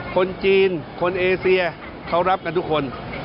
คนจีนคนเอเซียเขารับกันทุกคน